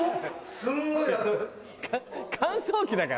すんごい。